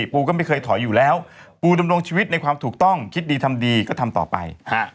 เพราะว่ามนัฐุ